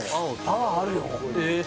パワーあるよえー